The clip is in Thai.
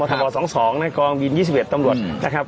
ทบ๒๒ในกองบิน๒๑ตำรวจนะครับ